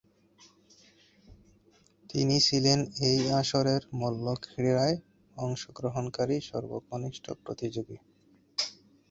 তিনি ছিলেন এই আসরের মল্লক্রীড়ায় অংশগ্রহণকারী সর্বকনিষ্ঠ প্রতিযোগী।